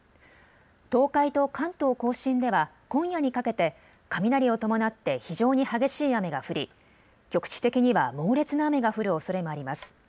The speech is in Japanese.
東海と関東甲信では今夜にかけて雷を伴って非常に激しい雨が降り、局地的には猛烈な雨が降るおそれもあります。